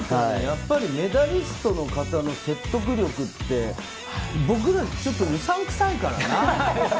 メダリストの方の説得力って僕らちょっとうさんくさいからな。